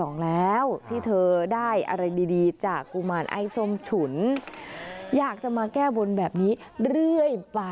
งวดเนี่ยเค้าได้ไม่ต่ำกว่า๑ล้านบาทเลยนะ